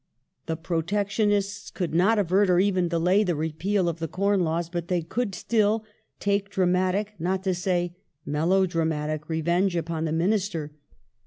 The Protectionists could not avert or even delay the repeal of the Corn Laws, but they could still take dramatic, not to say melodramatic, revenge upon the Minister.